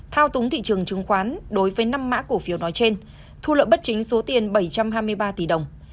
thao túng thị trường chứng khoán đối với năm mã cổ phiếu nói trên thu lợi bất chính số tiền bảy trăm hai mươi ba tỷ đồng